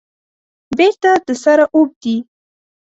بیرته د سره اوبدي